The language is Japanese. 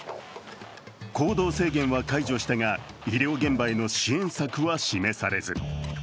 行動制限は解除したが、医療現場への支援策は示されず。